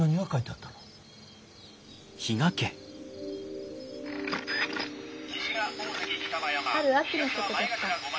「ある秋のことでした。